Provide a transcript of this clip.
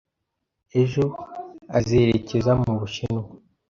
Ejo azerekeza mu Bushinwa.